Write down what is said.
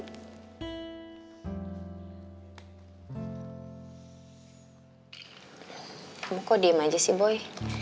kamu kok diem aja sih boy